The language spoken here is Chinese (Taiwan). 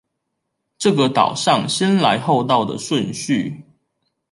這個島上先來後到的順序